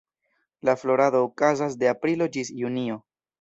La florado okazas de aprilo ĝis junio.